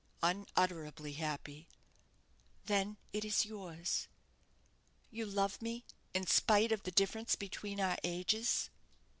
"Unutterably happy." "Then it is yours." "You love me in spite of the difference between our ages?"